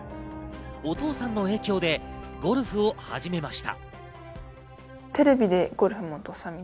お父さんの影響でゴルフを始めました。